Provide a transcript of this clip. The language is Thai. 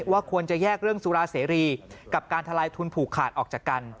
ว่าควรจะแยกเรื่องสุราเสรีกับการทลายทุนผูกขาดออกจากกัน